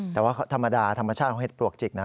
แต่ว่าธรรมดาธรรมชาติของเห็ดปลวกจิกนะ